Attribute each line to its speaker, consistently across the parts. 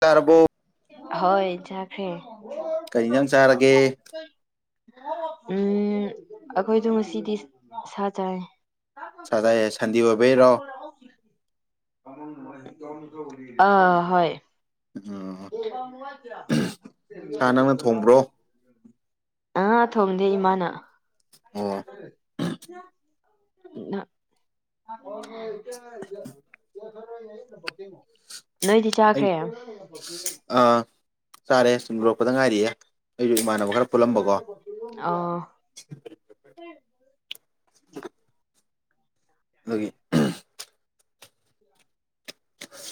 Speaker 1: ꯇꯥꯔꯕꯣ
Speaker 2: ꯍꯣꯏ ꯇꯥꯈ꯭ꯔꯦ
Speaker 1: ꯀꯩ ꯍꯦꯟꯖꯥꯡ ꯆꯥꯔꯒꯦ
Speaker 2: ꯎꯝ ꯑꯩꯈꯣꯏꯗꯣ ꯉꯁꯤꯗꯤ ꯁꯥ ꯆꯥꯏ
Speaker 1: ꯁꯥ ꯆꯥꯏ ꯁꯟꯗꯦ ꯑꯣꯏꯕꯩꯔꯣ
Speaker 2: ꯑꯥ ꯍꯣꯏ
Speaker 1: ꯎꯝ ꯁꯥ ꯅꯪꯅ ꯊꯣꯡꯕ꯭ꯔꯣ
Speaker 2: [unintelligible] ꯑꯥ ꯊꯣꯡꯗꯦ ꯏꯃꯥꯅ
Speaker 1: ꯑꯣ
Speaker 2: [unintelligible] ꯅꯣꯏꯗꯤ ꯆꯥꯈ꯭ꯔꯦ
Speaker 1: ꯑ ꯆꯥꯔꯦ ꯁꯨꯝ ꯂꯣꯏꯔꯛꯄꯗ ꯉꯥꯏꯔꯤꯌꯦ ꯑꯩꯁꯨ ꯏꯃꯥꯟꯅꯕ ꯃꯈ ꯄꯨꯜꯂꯝꯕꯀꯣ
Speaker 2: ꯑꯣ
Speaker 1: ꯑꯗꯨꯒꯤ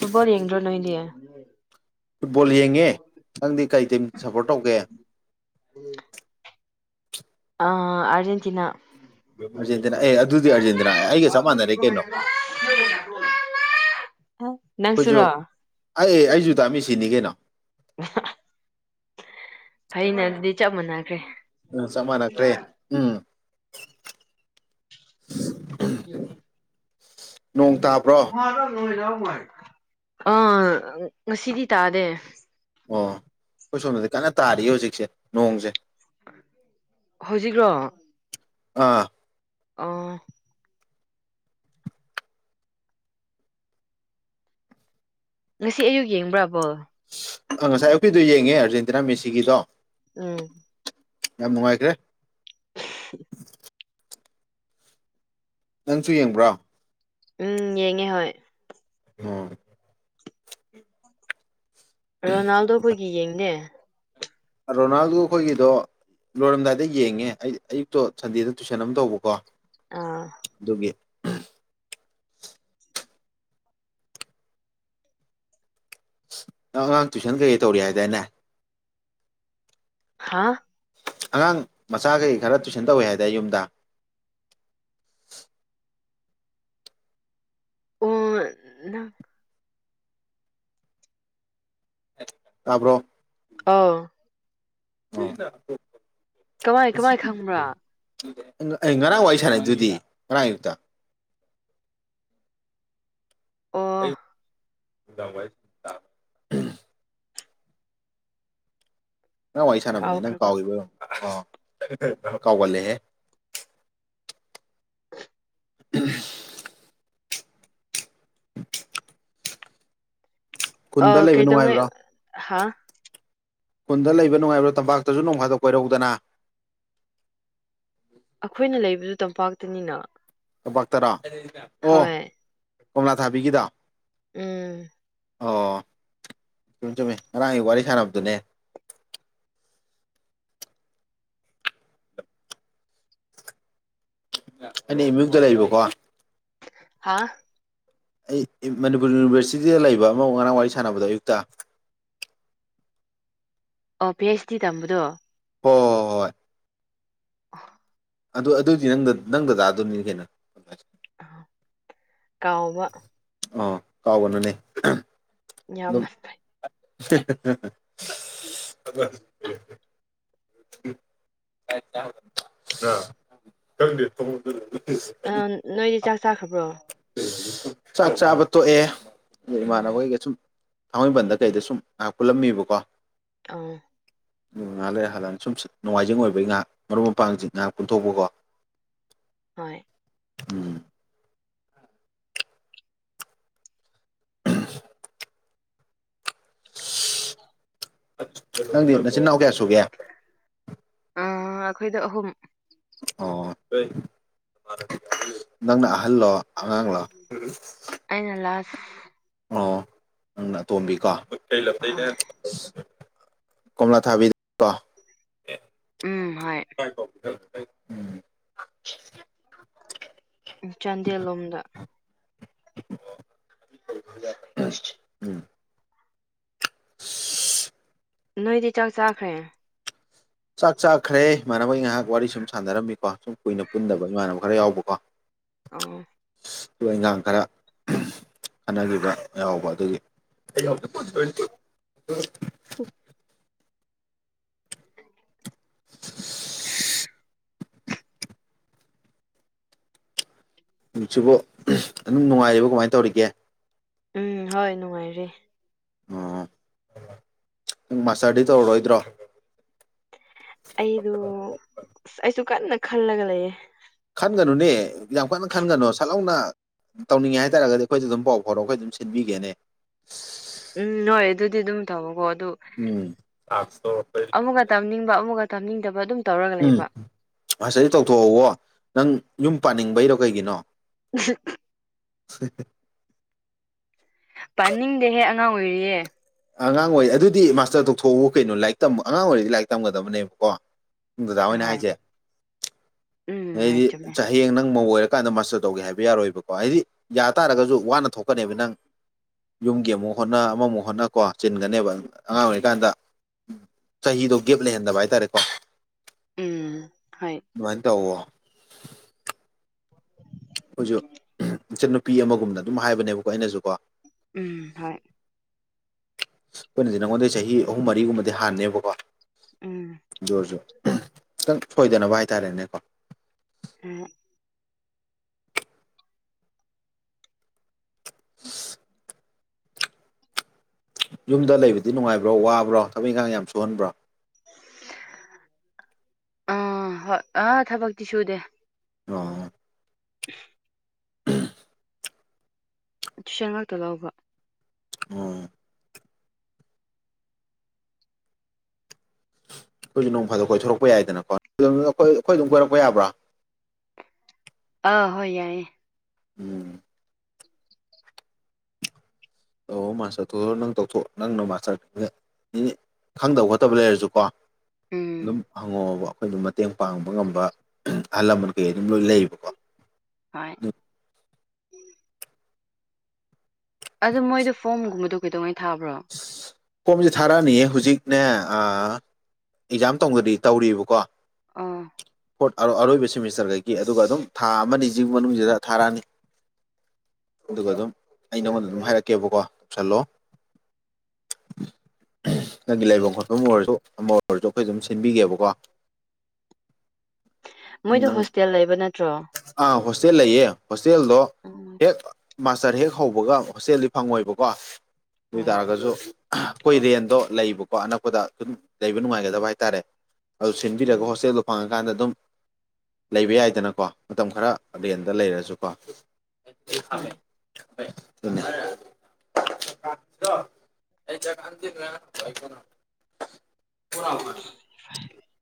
Speaker 2: ꯐꯨꯠꯕꯣꯜ ꯌꯦꯡꯗ꯭ꯔꯣ ꯅꯣꯏꯗꯤ
Speaker 1: ꯐꯨꯠꯕꯣꯜ ꯌꯦꯡꯉꯦ ꯅꯪꯗꯤ ꯀꯩ ꯇꯤꯝ ꯁꯄꯣꯔꯠ ꯇꯧꯒꯦ
Speaker 2: ꯎꯝ ꯑꯥ ꯑꯔꯖꯦꯟꯇꯤꯅꯥ
Speaker 1: ꯑꯥꯔꯖꯦꯟꯇꯤꯅꯥ ꯑꯦ ꯑꯗꯨꯗꯤ ꯑꯥꯔꯖꯦꯟꯇꯤꯅꯥ ꯑꯩꯒ ꯆꯞ ꯃꯥꯟꯅꯔꯦ ꯀꯩꯅꯣ
Speaker 2: [unintelligible]
Speaker 1: ꯑꯩꯈꯣꯏꯁꯨ
Speaker 2: ꯅꯪꯁꯨꯨꯔꯣ
Speaker 1: ꯑꯩ ꯑꯩꯁꯨ ꯗꯥꯃꯦꯁꯤꯅꯤ ꯀꯩꯅꯣ
Speaker 2: ꯐꯩꯅ ꯑꯗꯨꯗꯤ ꯆꯞ ꯃꯥꯅꯈ꯭ꯔꯦ
Speaker 1: ꯑ ꯆꯞ ꯃꯥꯟꯅꯈ꯭ꯔꯦ ꯎꯝ
Speaker 2: [inaudible]
Speaker 1: ꯅꯣꯡ ꯇꯥꯕ꯭ꯔꯣ
Speaker 2: ꯑꯥ ꯉꯁꯤꯗꯤ ꯇꯥꯗꯦ
Speaker 1: ꯑꯣ ꯑꯩꯈꯣꯏ ꯁꯣꯝꯗꯗꯤ ꯀꯟꯅ ꯇꯥꯔꯤꯌꯦ ꯍꯧꯖꯤꯛꯁꯦ ꯅꯣꯡꯁꯦ
Speaker 2: ꯍꯧꯖꯤꯛꯔꯣ
Speaker 1: ꯑꯥ
Speaker 2: ꯑꯥ ꯉꯁꯤ ꯑꯌꯨꯛ ꯌꯦꯡꯕ꯭ꯔꯥ ꯕꯣꯜ
Speaker 1: ꯑꯁ ꯉꯁꯥꯏ ꯑꯌꯨꯛꯀꯤꯗꯣ ꯌꯦꯡꯉꯦ ꯑꯥꯔꯖꯦꯟꯇꯤꯅꯥ ꯃꯦꯁꯤꯒꯤꯗꯣ
Speaker 2: ꯎꯝ
Speaker 1: ꯌꯥꯝ ꯅꯨꯡꯉꯥꯏꯈ꯭ꯔꯦ
Speaker 2: [inaudible]
Speaker 1: ꯅꯪꯁꯨ ꯌꯦꯡꯕ꯭ꯔꯥ
Speaker 2: ꯎꯝ ꯌꯦꯡꯉꯦ ꯍꯣꯏ
Speaker 1: ꯎꯝ
Speaker 2: ꯔꯣꯅꯥꯜꯗꯣ ꯑꯩꯈꯣꯏꯒꯤ ꯌꯦꯡꯗꯦ
Speaker 1: ꯔꯣꯅꯥꯜꯗꯣ ꯈꯣꯏꯒꯤꯗꯣ ꯂꯣꯏꯔꯝꯗꯥꯏꯗ ꯌꯦꯡꯉꯦ ꯑꯩꯗꯤ ꯑꯌꯨꯛꯇꯣ ꯁꯟꯗꯦꯗ ꯇꯨꯏꯁꯟ ꯑꯃ ꯇꯧꯕꯀꯣ
Speaker 2: ꯑꯥ
Speaker 1: ꯗꯨꯒꯤ ꯑꯉꯥꯡ ꯇꯨꯏꯁꯟ ꯀꯩꯀꯩ ꯇꯧꯔꯤ ꯍꯥꯏꯗꯥꯏꯅꯦ
Speaker 2: ꯍꯥꯥ
Speaker 1: ꯑꯉꯥꯡ ꯃꯆꯥꯒꯩ ꯈꯔ ꯇꯨꯏꯁꯟ ꯇꯧꯋꯦ ꯍꯥꯏꯗꯥꯏ ꯌꯨꯝꯗꯥ
Speaker 2: ꯑꯣ ꯅꯪ
Speaker 1: ꯇꯥꯕ꯭ꯔꯣ
Speaker 2: ꯑꯧ
Speaker 1: ꯑꯣ
Speaker 2: ꯀꯃꯥꯏ ꯀꯃꯥꯏ ꯈꯪꯕ꯭ꯔꯥ
Speaker 1: ꯑꯦ ꯉꯔꯥꯡ ꯋꯥꯔꯤ ꯁꯥꯟꯅꯩꯗꯨꯗꯤ ꯉꯔꯥꯡ ꯑꯌꯨꯛꯇ
Speaker 2: ꯑꯣ
Speaker 1: ꯑꯌꯨꯛ ꯅꯨꯡꯗꯥꯡ ꯋꯥꯔꯤ ꯇꯥꯕ꯭ꯔ ꯅ ꯋꯥꯔꯤ ꯁꯥꯟꯅꯕꯅꯦ ꯅꯪ
Speaker 2: ꯀꯥꯎꯈ꯭ꯔꯕ
Speaker 1: ꯀꯥꯎꯒꯤꯕ ꯑꯣꯏ ꯀꯥꯎ ꯒꯜꯂꯦ ꯍꯦ [unintelligible]
Speaker 2: ꯑ
Speaker 1: ꯀꯨꯟꯗ ꯂꯩꯕ
Speaker 2: ꯀꯩꯗꯧꯉꯩ
Speaker 1: ꯅꯨꯡꯉꯥꯏꯕ꯭ꯔꯥ
Speaker 2: ꯍꯥ
Speaker 1: ꯀꯨꯟꯗ ꯂꯩꯕ ꯅꯨꯡꯉꯥꯏꯕ꯭ꯔꯥ ꯇꯝꯄꯥꯛꯇꯖꯨ ꯅꯣꯡ ꯐꯥꯗꯣꯛ ꯀꯣꯏꯔꯛꯎꯗꯅꯥ
Speaker 2: ꯑꯈꯣꯏꯅ ꯂꯩꯕꯗꯨ ꯇꯝꯄꯥꯛꯇꯅꯤꯅ
Speaker 1: ꯇꯝꯄꯥꯛꯇꯔꯥ ꯑꯣ
Speaker 2: ꯍꯣꯏ
Speaker 1: ꯀꯣꯝꯂꯥ ꯊꯥꯕꯤꯒꯤꯗꯣ
Speaker 2: ꯎꯝ
Speaker 1: ꯑꯣ ꯆꯨꯝꯃꯤ ꯆꯨꯝꯃꯤ ꯉꯔꯥꯡꯒꯤ ꯋꯥꯔꯤ ꯁꯥꯟꯅꯕꯗꯨꯅꯦ ꯑꯩꯅ ꯑꯦꯝ ꯌꯨꯗ ꯂꯩꯕꯀꯣ
Speaker 2: ꯍꯥꯥ
Speaker 1: ꯑꯩ ꯃꯅꯤꯄꯨꯔ ꯌꯨꯅꯤꯚꯔꯁꯤꯇꯤꯗ ꯂꯩꯕ ꯑꯃ ꯉꯔꯥꯡ ꯋꯥꯔꯤ ꯁꯥꯟꯅꯕꯗꯣ ꯑꯌꯨꯛꯇ
Speaker 2: ꯑꯣ ꯄꯤ ꯑꯩꯩꯆ ꯗꯤ ꯇꯝꯕꯗꯣ
Speaker 1: ꯍꯣ ꯍꯣ ꯍꯣꯏ
Speaker 2: [inaudible]
Speaker 1: ꯑꯗꯨ ꯑꯗꯨꯗꯤ ꯅꯪ ꯅꯪꯗ ꯗꯗꯥꯗꯨꯅꯤ ꯀꯩꯅꯣ
Speaker 2: ꯀꯥꯎꯕ
Speaker 1: ꯑꯣ ꯀꯥꯎꯒꯅꯨꯅꯦ ꯑꯗꯨꯝ
Speaker 2: ꯌꯥꯝꯅ ꯐꯩ
Speaker 1: [unintelligible] [unintelligible]
Speaker 2: ꯑꯥ ꯅꯣꯏꯗꯤ ꯆꯥꯛ ꯆꯥꯈ꯭ꯔꯕ꯭ꯔꯣ
Speaker 1: ꯆꯥꯛ ꯆꯥꯕ ꯇꯣꯛꯑꯦ ꯑꯗꯣ
Speaker 2: ꯎꯝ
Speaker 1: ꯏꯃꯥꯟꯅꯕꯩꯒ ꯁꯨꯝ ꯊꯥꯡꯃꯩꯕꯟꯗ ꯀꯩꯗ ꯁꯨꯝ ꯉꯥꯏꯍꯥꯛ ꯄꯨꯜꯂꯝꯃꯤꯕꯀꯣ
Speaker 2: ꯑꯣ
Speaker 1: ꯑꯗꯣ ꯉꯥꯛ ꯂꯩꯔ ꯍꯜꯂꯛꯑꯅꯤ ꯁꯨꯝ ꯅꯣꯡꯃꯥꯏꯖꯤꯡ ꯑꯣꯏꯕꯒꯤ ꯉꯍꯥꯛ ꯃꯔꯨꯞ ꯃꯄꯥꯡꯖꯤꯡ ꯉꯍꯥꯛ ꯄꯨꯟꯊꯣꯛꯄꯀꯣ
Speaker 2: ꯍꯣꯏ
Speaker 1: ꯎꯝ [unintelligible] ꯅꯪꯗꯤ ꯅꯆꯤꯟ ꯅꯥꯎ ꯀꯌꯥ ꯁꯨꯒꯦ
Speaker 2: ꯑꯥ ꯑꯩꯈꯣꯏꯗꯣ ꯑꯍꯨꯝ
Speaker 1: ꯑꯣ ꯅꯪꯅ ꯑꯍꯜꯂꯣ ꯑꯉꯥꯡꯂꯥ
Speaker 2: ꯑꯩꯅ ꯂꯥꯁ
Speaker 1: ꯑꯣ ꯅꯪꯅ ꯑꯇꯣꯝꯕꯤꯀꯣ
Speaker 2: ꯍꯣꯏ
Speaker 1: ꯀꯣꯝꯂꯥ ꯊꯥꯕꯤ ꯀꯣ
Speaker 2: ꯎꯝ ꯍꯣꯏ
Speaker 1: ꯎꯝ
Speaker 2: ꯆꯥꯟꯗꯦꯜꯂꯣꯝꯗ
Speaker 1: ꯎꯝ
Speaker 2: ꯅꯣꯏꯗꯤ ꯆꯥꯛ ꯆꯥꯈ꯭ꯔꯦ
Speaker 1: ꯆꯥꯛ ꯆꯥꯈ꯭ꯔꯦ ꯏꯃꯥꯟꯅꯕꯩ ꯉꯍꯥꯛ ꯋꯥꯔꯤ ꯁꯨꯝ ꯁꯥꯟꯅꯔꯝꯃꯤꯀꯣ ꯁꯨꯝ ꯀꯨꯏꯅ ꯄꯨꯟꯗꯕ ꯏꯃꯥꯟꯅꯕ ꯈꯔ ꯌꯥꯎꯕꯀꯣ
Speaker 2: ꯑꯣ
Speaker 1: ꯂꯣꯏ ꯏꯟꯒꯥꯡ ꯈꯔ ꯈꯟꯅꯒꯤꯕ ꯌꯥꯎꯕ ꯑꯗꯨꯒꯤ [unintelligible]
Speaker 2: [inaudible] [inaudible]
Speaker 1: ꯍꯧꯖꯤꯛꯁꯤꯕꯨ ꯑꯗꯨꯝ ꯅꯨꯡꯉꯥꯏꯔꯤꯕꯣ ꯀꯃꯥꯏꯟ ꯇꯧꯔꯤꯒꯦ
Speaker 2: ꯎꯝ ꯍꯣꯏ ꯅꯨꯡꯉꯥꯏꯔꯤ
Speaker 1: ꯑꯣ ꯅꯪ ꯃꯥꯁꯇꯔꯗꯤ ꯇꯧꯔꯔꯣꯏꯗ꯭ꯔꯣ
Speaker 2: ꯑꯩꯗꯨ ꯑꯩꯁꯨ ꯀꯟꯅ ꯈꯜꯂꯒ ꯂꯩꯌꯦ
Speaker 1: ꯈꯟꯒꯅꯨꯅꯦ ꯌꯥꯝ ꯀꯟꯅ ꯈꯟꯒꯅꯣ ꯁꯠꯂꯥꯎꯅ ꯇꯧꯅꯤꯡꯉꯦ ꯍꯥꯏꯇꯥꯔꯒꯗꯤ ꯑꯈꯣꯏꯗ ꯑꯗꯨꯝ ꯄꯥꯎ ꯐꯥꯎꯔꯛꯎ ꯑꯈꯣꯏ ꯑꯗꯨꯝ ꯁꯤꯟꯕꯤꯒꯦꯅꯦ
Speaker 2: ꯎꯝ ꯍꯣꯏ ꯑꯗꯨꯗꯤ ꯑꯗꯨꯝ ꯇꯧꯕꯀꯣ ꯑꯗꯨ
Speaker 1: ꯎꯝ
Speaker 2: ꯑꯃꯨꯛꯒ ꯇꯝꯅꯤꯡꯕ ꯑꯃꯨꯛꯒ ꯇꯝꯅꯤꯡꯗꯕ ꯑꯗꯨꯝ ꯇꯧꯔꯒ
Speaker 1: ꯎꯝ
Speaker 2: ꯂꯩꯕ
Speaker 1: ꯃꯥꯁꯇꯔꯗꯤ ꯇꯧꯊꯣꯛꯍꯧꯋꯣ ꯅꯪ ꯌꯨꯝ ꯄꯥꯅꯤꯡꯕꯩꯔꯣ ꯀꯩꯒꯤꯅꯣ
Speaker 2: [unintelligible]
Speaker 1: [unintelligible]
Speaker 2: ꯄꯥꯅꯤꯡꯗꯦꯍꯦ ꯑꯉꯥꯡ ꯑꯣꯏꯔꯤꯌꯦ
Speaker 1: ꯑꯉꯥꯡ ꯑꯣꯏꯔꯤ ꯑꯗꯨꯗꯤ ꯃꯥꯁꯇꯔ ꯇꯣꯛꯊꯣꯛꯎ ꯀꯩꯅꯣ ꯂꯥꯏꯔꯤꯛ ꯑꯉꯥꯡ ꯑꯣꯏꯔꯗꯤ ꯂꯥꯏꯔꯤꯛ ꯇꯝꯒꯗꯕꯅꯦꯕꯀꯣ ꯗꯗꯥ ꯍꯣꯏꯅ
Speaker 2: ꯍꯣꯏ
Speaker 1: ꯍꯥꯏꯖꯦ
Speaker 2: ꯎꯝ ꯍꯣꯏ
Speaker 1: ꯑꯗꯩꯗꯤ
Speaker 2: ꯆꯨꯝꯃꯦ
Speaker 1: ꯆ ꯍꯌꯦꯡ ꯅꯪ ꯃꯧ ꯑꯣꯏꯔ ꯀꯥꯟꯗ ꯃꯥꯁꯇꯔ ꯇꯧꯒꯦ ꯍꯥꯏꯕ ꯌꯥꯔꯣꯏꯕꯀꯣ ꯍꯥꯏꯗꯤ ꯌꯥ ꯇꯥꯔꯒꯖꯨ ꯋꯥꯅ ꯊꯣꯛꯀꯅꯦꯕ ꯅꯪ ꯌꯨꯝꯒꯤ ꯑꯃꯨꯛ ꯍꯣꯠꯅ ꯑꯃꯃꯨꯛ ꯍꯣꯠꯅ ꯀꯣ ꯆꯤꯟꯒꯅꯦꯕ ꯑꯉꯥꯡ ꯑꯣꯏꯔꯤꯀꯥꯟꯗ ꯆꯍꯤꯗꯣ ꯒꯦꯞ ꯂꯩꯍꯟꯗꯕ ꯍꯥꯏꯇꯥꯔꯦꯀꯣ
Speaker 2: ꯎꯝ ꯍꯣꯏ
Speaker 1: ꯑꯗꯨꯃꯥꯏꯟ ꯇꯧꯋꯣ ꯑꯈꯣꯏꯖꯨ ꯏꯆꯟ ꯅꯨꯨꯄꯤ ꯑꯃꯒꯨꯝꯅ ꯑꯗꯨꯝ ꯍꯥꯏꯕꯅꯦꯕꯀꯣ ꯑꯩꯅꯖꯨꯀꯣ
Speaker 2: ꯎꯝ ꯍꯣꯏ
Speaker 1: ꯑꯈꯣꯏꯅꯗꯤ ꯅꯪꯉꯣꯟꯗꯩ ꯆꯍꯤ ꯑꯍꯨꯝ ꯃꯔꯤꯒꯨꯝꯕꯗꯤ ꯍꯥꯟꯅꯦꯕꯀꯣ
Speaker 2: ꯎꯝ
Speaker 1: ꯑꯣꯏꯔꯁꯨ ꯈꯤꯇꯪ ꯁꯣꯏꯗꯅꯕ ꯍꯥꯏꯇꯥꯔꯦꯅꯦꯀꯣ
Speaker 2: ꯎꯝ
Speaker 1: [inaudible] ꯌꯨꯝꯗ ꯂꯩꯕꯗꯤ ꯅꯨꯡꯉꯥꯏꯕ꯭ꯔꯣ ꯋꯥꯕ꯭ꯔꯣ ꯊꯕꯛ ꯏꯪꯒꯥꯡ ꯌꯥꯝ ꯁꯨꯍꯟꯕ꯭ꯔꯣ
Speaker 2: ꯑꯥ ꯍꯣꯏ ꯑꯥ ꯊꯕꯛꯇꯤ ꯁꯨꯗꯦ
Speaker 1: ꯑꯣ
Speaker 2: ꯇꯨꯏꯁꯟ ꯉꯥꯛꯇ ꯂꯥꯎꯕ
Speaker 1: ꯑꯣ ꯑꯈꯣꯏꯖꯨ ꯅꯣꯡ ꯐꯥꯗꯣꯛ ꯀꯣꯏꯊꯣꯔꯛꯄ ꯌꯥꯏꯗꯅꯀꯣ [unintelligible] ꯑꯈꯣꯏ ꯑꯈꯣꯏ ꯑꯗꯨꯝ ꯀꯣꯏꯔꯛꯄ ꯌꯥꯕ꯭ꯔꯣ
Speaker 2: ꯑꯥ ꯍꯣꯏ ꯌꯥꯏꯌꯦ
Speaker 1: ꯎꯝ ꯑꯣ ꯃꯥꯁꯇꯔ ꯇꯧꯊꯣ ꯅꯪ ꯇꯧꯊꯣꯛ ꯅꯪꯅ ꯃꯥꯁꯇꯔ ꯇꯧꯌꯥꯢ ꯅꯤꯅꯤꯠ ꯈꯪꯗꯕ ꯈꯣꯠꯇꯕ ꯂꯩꯔꯖꯨꯀꯣ ꯑꯗꯨꯝ
Speaker 2: ꯎꯝ
Speaker 1: ꯍꯪꯉꯣꯑꯣꯕ ꯑꯈꯣꯏꯅ ꯃꯇꯦꯡ ꯄꯥꯡꯕ ꯉꯝꯕ ꯑꯍꯜ ꯂꯃꯟ ꯀꯩ ꯀꯩ ꯑꯗꯨꯝ ꯂꯣꯏ ꯂꯩꯌꯦꯕꯀꯣ
Speaker 2: ꯍꯣꯏ ꯑꯗꯨ ꯃꯣꯏꯗꯨ ꯐꯣꯝ ꯒꯨꯝꯕꯗꯨ ꯀꯩꯗꯧꯉꯩ ꯊꯥꯕ꯭ꯔꯣ
Speaker 1: ꯐꯣꯝꯖꯦ ꯊꯥꯔꯛꯑꯅꯤꯌꯦ ꯍꯨꯖꯤꯛꯅꯦ ꯑꯥ ꯑꯦꯛꯖꯥꯝ ꯇꯧꯎꯒꯔꯤ ꯇꯧꯔꯤꯕꯀꯣ
Speaker 2: ꯑꯥ
Speaker 1: ꯐꯣꯔꯠ ꯑ ꯑꯔꯣꯏꯕ ꯁꯤꯃꯤꯁꯇꯔꯒꯩꯒꯤ ꯑꯗꯨꯒ ꯑꯗꯨꯝ ꯊꯥ ꯑꯃꯅꯤꯖꯤ ꯃꯅꯨꯡꯖꯤꯗ ꯊꯥꯔꯑꯅꯤ ꯑꯗꯨꯒ ꯑꯗꯨꯝ ꯑꯩ ꯅꯉꯣꯟꯗ ꯑꯗꯨꯝ ꯍꯥꯏꯔꯛꯀꯦꯕꯀꯣ ꯇꯧꯁꯜꯂꯣ
Speaker 2: [inaudible]
Speaker 1: ꯅꯪꯒꯤ ꯂꯩꯕꯝ ꯈꯣꯠꯄꯝ ꯑꯣꯏꯔꯖꯨ ꯑꯃ ꯑꯣꯏꯔꯖꯨ ꯑꯈꯣꯏ ꯑꯗꯨꯝ ꯁꯤꯟꯕꯤꯒꯦꯕꯀꯣ
Speaker 2: ꯃꯣꯏꯗꯣ
Speaker 1: ꯅꯪ
Speaker 2: ꯍꯣꯁꯇꯦꯜ ꯂꯩꯕ ꯅꯠꯇ꯭ꯔꯣ
Speaker 1: ꯑꯥ ꯍꯣꯁꯇꯦꯜ ꯂꯩꯌꯦ ꯍꯣꯁꯇꯦꯜꯗꯣ
Speaker 2: ꯎꯝ
Speaker 1: ꯍꯦꯛ ꯃꯥꯁꯇꯔ ꯍꯦꯛ ꯍꯧꯕꯒ ꯍꯣꯁꯇꯦꯜꯗꯤ ꯐꯪꯉꯣꯏꯕꯀꯣ
Speaker 2: ꯍꯣꯏ
Speaker 1: ꯈꯣꯏ ꯔꯦꯟꯗꯣ ꯂꯩꯕꯀꯣ ꯑꯅꯛꯄꯗ ꯑꯗꯨꯝ ꯂꯩꯕ ꯅꯨꯡꯉꯥꯏꯒꯗꯕ ꯍꯥꯏꯇꯥꯔꯦ ꯑꯗꯨ ꯁꯤꯟꯕꯤꯔꯒ
Speaker 2: ꯎꯝ
Speaker 1: ꯍꯣꯁꯇꯦꯜꯗꯨ ꯐꯪꯉ ꯀꯥꯟꯗ ꯑꯗꯨꯝ ꯂꯩꯕ ꯌꯥꯏꯗꯅꯀꯣ ꯃꯇꯝ ꯈꯔ ꯔꯦꯟꯗ ꯂꯩꯔꯖꯨꯀꯣ
Speaker 2: ꯍꯣꯏ
Speaker 1: [unintelligible] ꯑꯗꯨꯅꯦ [unintelligible] [unintelligible]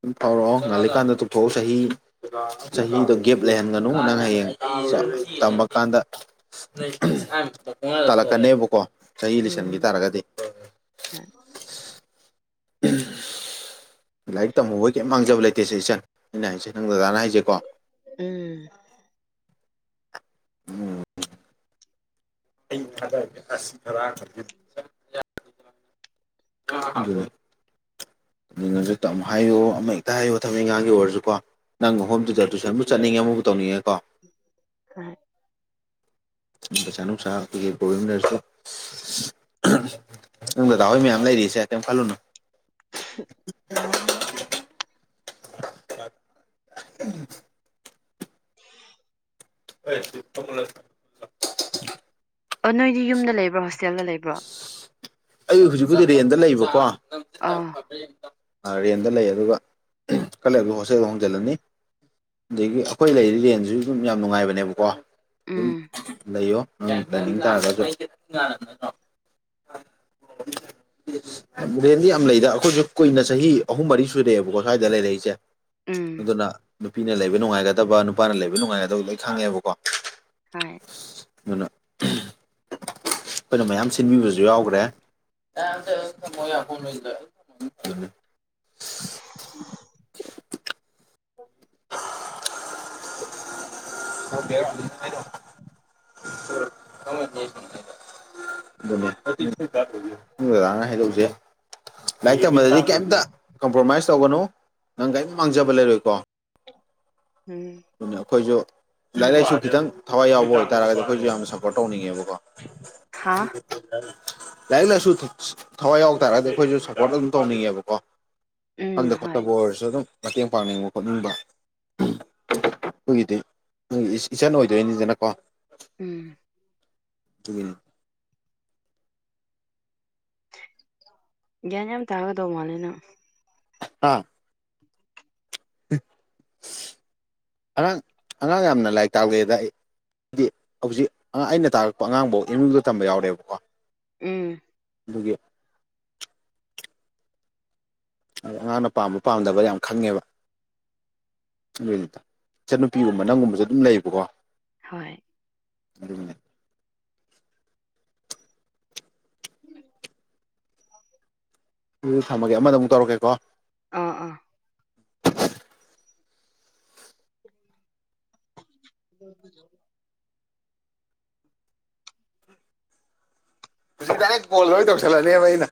Speaker 1: ꯗꯨꯝ ꯐꯥꯎꯔꯛꯑꯣ ꯉꯂꯤꯀꯥꯟꯗ ꯇꯧꯊꯣꯛꯑꯣ ꯆꯍꯤ ꯆꯍꯤꯗꯣ ꯒꯦꯞ ꯂꯩꯍꯟꯒꯅꯨ ꯅꯪ ꯍꯌꯦꯡ ꯇꯝꯕ ꯀꯥꯟꯗ ꯇꯥꯂꯛ ꯀꯅꯦꯕꯀꯣ ꯆꯍꯤ ꯂꯤꯁꯟꯒꯤ
Speaker 2: ꯎꯝ
Speaker 1: ꯇꯥꯔꯒꯗꯤ
Speaker 2: ꯍꯣꯏ
Speaker 1: ꯂꯥꯏꯔꯤꯛ ꯇꯝꯍꯧ ꯕꯩ ꯀꯩꯝ ꯃꯥꯡꯖꯕ ꯂꯩꯇꯦꯁꯦ ꯏꯆꯟ ꯑꯩꯅ ꯍꯥꯏꯁꯦ ꯅꯪ ꯗꯗꯥꯅ ꯍꯥꯏꯖꯦ
Speaker 2: ꯎꯝ
Speaker 1: ꯎꯝ [inaudible] [inaudible] ꯑꯗꯨꯅ ꯖꯤꯛ ꯇꯝꯃꯨ ꯍꯥꯏꯌꯨ ꯑꯃ ꯍꯦꯛꯇ ꯍꯥꯏꯌꯨ ꯊꯕꯛ ꯐꯪꯒꯥꯡꯒꯤ ꯑꯣꯏꯔꯖꯨꯀꯣ ꯅꯪ ꯍꯣꯝ ꯇ꯭ꯌꯨꯇꯔ ꯇꯨꯏꯁꯟꯕꯨ ꯆꯠꯅꯤꯡꯉꯦ ꯑꯃꯕꯨ ꯇꯧꯅꯤꯡꯉꯦꯀꯣ
Speaker 2: ꯍꯣꯏ
Speaker 1: ꯁꯨꯝ ꯄꯩꯁꯥ ꯅꯨꯡꯁꯥ ꯑꯈꯣꯏꯒꯤ ꯄ꯭ꯔꯣꯕ꯭ꯂꯦꯝ ꯂꯩꯔꯖꯨ ꯀꯣ ꯅꯪ ꯗꯗꯥ ꯍꯣꯏ ꯃꯌꯥꯝ ꯂꯩꯔꯤꯁꯦ ꯀꯩꯝ ꯈꯜꯂꯨꯅꯨ [inaudible] [inaudible]
Speaker 2: ꯑꯣ ꯅꯣꯏꯗꯤ ꯌꯨꯝꯗ ꯂꯩꯕ꯭ꯔꯣ ꯍꯣꯁꯇꯦꯜꯗ ꯂꯩꯕ꯭ꯔꯣ
Speaker 1: ꯑꯩ ꯍꯧꯖꯤꯛ ꯄꯨꯗꯤ ꯔꯦꯟꯗ ꯂꯩꯕꯀꯣ
Speaker 2: ꯑꯥ
Speaker 1: ꯑꯥ ꯔꯦꯟꯗ ꯂꯩ ꯑꯗꯨꯒ ꯈꯥꯔꯂꯩꯕꯒ ꯍꯣꯁꯦꯜꯗ ꯍꯣꯡꯖꯤꯜꯂꯅꯤ ꯑꯗꯒꯤ ꯑꯈꯣꯏ ꯂꯩꯔꯤ ꯔꯦꯟꯖꯤꯖꯨ ꯑꯗꯨꯝ ꯌꯥꯝ ꯅꯨꯡꯉꯥꯏꯕꯅꯦꯕꯀꯣ ꯑꯗꯨꯝ
Speaker 2: ꯎꯝ
Speaker 1: ꯂꯩꯌꯣ ꯅꯪ ꯂꯩꯅꯤꯡ ꯇꯥꯔꯒꯁꯨ
Speaker 2: [inaudible]
Speaker 1: ꯔꯦꯟꯗꯤ ꯌꯥꯝ ꯂꯩꯗ ꯑꯈꯣꯏꯖꯨ ꯀꯨꯏꯅ ꯆꯍꯤ ꯑꯍꯨꯝ ꯃꯔꯤ ꯁꯨꯔꯑꯦꯕꯀꯣ ꯁꯥꯏꯗ ꯂꯩꯔꯛꯏꯖꯦ
Speaker 2: ꯎꯝ
Speaker 1: ꯑꯗꯨꯅ ꯅꯨꯄꯤꯅ ꯂꯩꯕ ꯅꯨꯡꯉꯥꯏꯒꯗꯕ ꯅꯨꯄꯥꯅ ꯂꯩꯕ ꯅꯨꯡꯉꯥꯏꯒꯗꯕ ꯂꯣꯏ ꯈꯪꯉꯦꯕꯀꯣ
Speaker 2: ꯍꯣꯏ
Speaker 1: ꯑꯗꯨꯅ ꯈꯣꯏꯅ ꯃꯌꯥꯝ ꯁꯤꯟꯕꯤꯕꯖꯨ ꯌꯥꯎꯒ꯭ꯔꯦ [unintelligible]
Speaker 2: [inaudible] ꯗꯣ
Speaker 1: [inaudible] [inaudible] ꯑꯗꯨꯅꯦ ꯅꯪ ꯗꯗꯥꯅ ꯍꯥꯏꯗꯧꯖꯦ ꯂꯥꯏꯔꯤꯛ ꯇꯝꯕꯗꯗꯤ ꯀꯩꯝꯇ ꯀꯝꯄ꯭ꯔꯣꯃꯥꯏꯁ ꯇꯧꯒꯅꯨ ꯅꯪ ꯀꯩꯝ ꯃꯥꯡꯖꯕ ꯂꯩꯔꯣꯏꯀꯣ
Speaker 2: ꯎꯝ
Speaker 1: ꯗꯨꯅꯦ ꯑꯈꯣꯏꯖꯨ ꯂꯥꯏꯔꯤꯛ ꯂꯥꯏꯁꯨ ꯈꯤꯇꯪ ꯊꯋꯥꯏ ꯌꯥꯎꯕ ꯑꯣꯏꯇꯥꯔꯒꯗꯤ ꯑꯈꯣꯏꯖꯨ ꯌꯥꯝꯅ ꯁꯞꯄꯣꯔꯠ ꯇꯧꯅꯤꯡꯉꯦꯕꯀꯣ
Speaker 2: ꯍꯥ
Speaker 1: [inaudible] ꯂꯥꯏꯔꯤꯛ ꯂꯥꯏꯁꯨ ꯊꯋꯥꯏ ꯌꯥꯎ ꯇꯥꯔꯒꯗꯤ ꯑꯈꯣꯏꯖꯨ ꯁꯞꯄꯣꯔꯠ ꯑꯗꯨꯝ ꯇꯧꯅꯤꯡꯉꯦꯕꯀꯣ
Speaker 2: ꯎꯝ
Speaker 1: ꯈꯪꯗ
Speaker 2: ꯍꯣꯏ
Speaker 1: ꯈꯣꯠꯇꯕ ꯑꯣꯏꯔꯁꯨ ꯑꯗꯨꯝ ꯃꯇꯦꯡ ꯄꯥꯡꯅꯤꯡꯕ ꯈꯣꯠꯅꯤꯡꯕ ꯑꯗꯨꯒꯤꯗꯤ ꯈꯣꯏꯒꯤꯗꯤ ꯏꯆꯟ ꯑꯣꯏꯗꯣꯏꯅꯤꯗꯅꯀꯣ
Speaker 2: ꯎꯝ
Speaker 1: ꯇꯨꯒꯤꯅꯤ
Speaker 2: ꯒ꯭ꯌꯥꯟ ꯌꯥꯝ ꯇꯒꯗꯧ ꯃꯥꯂꯦ ꯅꯪ
Speaker 1: ꯑꯥ
Speaker 2: [inaudible]
Speaker 1: ꯑꯉꯥꯡ ꯑꯉꯥꯡ ꯌꯥꯝꯅ ꯂꯥꯏꯔꯤꯛ ꯇꯥꯛꯂꯛ ꯑꯦꯗ ꯑꯩ ꯍꯥꯏꯗꯤ ꯍꯧꯖꯤꯛ ꯑꯩꯅ ꯇꯥꯔꯛꯄ ꯑꯉꯥꯡꯐꯧ ꯑꯦꯝ ꯌꯨꯗ ꯇꯝꯕ ꯌꯥꯎꯔꯦꯕꯀꯣ
Speaker 2: ꯎꯝ
Speaker 1: ꯗꯨꯒꯤ ꯑꯉꯥꯡꯅ ꯄꯥꯝꯕ ꯄꯥꯝꯗꯕ ꯌꯥꯝ ꯈꯪꯉꯦꯕ ꯑꯗꯨꯏꯅꯤꯗ ꯏꯆꯠꯟꯅꯨꯄꯤꯒꯨꯝꯕ ꯅꯪꯒꯨꯝꯕꯁꯦ ꯑꯗꯨꯝ ꯂꯩꯕꯀꯣ
Speaker 2: ꯍꯣꯏ
Speaker 1: ꯑꯗꯨꯅꯦ ꯎ ꯊꯝꯃꯒꯦ ꯑꯃꯗ ꯑꯃꯨꯛ ꯇꯧꯔꯛꯀꯦꯀꯣ
Speaker 2: ꯑꯥ ꯑꯥ [inaudible]
Speaker 1: ꯗꯥꯏꯔꯦꯛ ꯕꯣꯜ ꯂꯣꯏ ꯇꯧꯁꯜꯂꯅꯦꯕ ꯑꯩꯅ